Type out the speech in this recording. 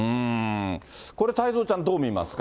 これ太蔵ちゃん、どう見ますか。